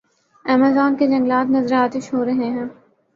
Amazon کے جنگلات نذرِ آتش ہو رہے ہیں۔